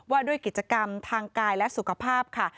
ว่าด้วยกิจกรรมทางกายและสุขภาพค่ะ